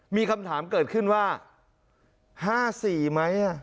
มีคำถามเกิดขึ้นว่า๕๔ไหม